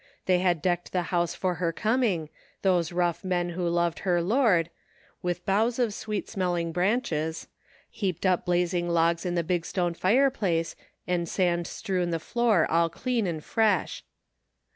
They had decked the house for her coming, those rough men who loved her lord, with boughs of sweet smelling branches; heaped up blazing logs in the big stone fireplace, and sand strewn the floor all clean and fresh.